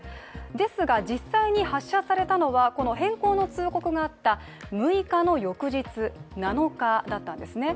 ですが、実際に発射されたのはこの変更の通告があった６日の翌日、７日だったんですね。